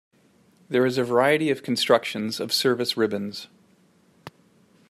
There is a variety of constructions of service ribbons.